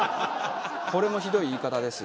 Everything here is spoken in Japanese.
これもひどい言い方です。